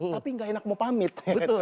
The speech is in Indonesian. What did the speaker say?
tapi gak enak mau pamit